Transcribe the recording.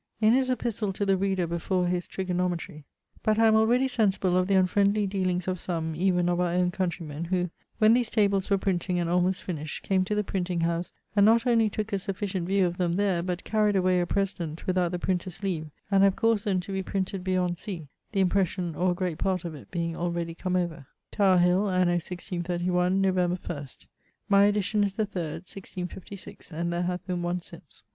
In his Epistle to the Reader before his Trigonometrie: 'but I am already sensible of the unfriendly dealings of some, even of our own countreymen, who, when these tables were printing and almost finished, came to the printing house and not onely tooke a sufficient view of them there, but carried away a president without the printer's leave, and have caused them to be printed beyond sea, the impression or a great part of it being already come over. Tower hill, anno 1631, November 1.' My edition is the third, 1656; and there hath been one since.